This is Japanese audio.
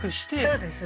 そうです